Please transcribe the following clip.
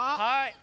はい！